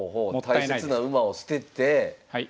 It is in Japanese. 大切な馬を捨てて。